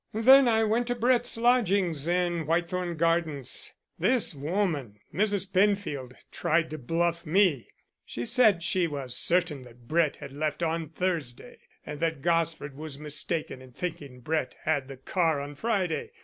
Then I went to Brett's lodgings in Whitethorn Gardens. This woman, Mrs. Penfield, tried to bluff me she said she was certain that Brett had left on Thursday, and that Gosford was mistaken in thinking Brett had the car on Friday.